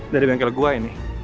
dari bengkel gue ini